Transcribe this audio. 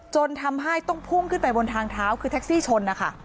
จนทำให้ต้องพุ่งขึ้นไปบนทางเท้าคือแท็กซี่ชนนะคะ